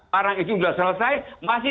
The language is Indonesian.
barang itu sudah selesai